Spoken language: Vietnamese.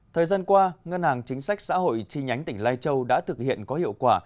thời gian qua ngân hàng chính sách xã hội chi nhánh tỉnh lai châu đã thực hiện có hiệu quả